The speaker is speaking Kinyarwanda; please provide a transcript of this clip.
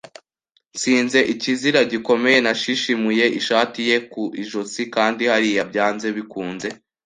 Ntsinze ikizira gikomeye, nashishimuye ishati ye ku ijosi, kandi hariya, byanze bikunze